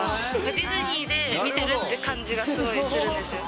ディズニーで見てるっていう感じがすごいするんですよ。